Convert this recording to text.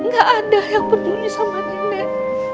gak ada yang peduli sama nenek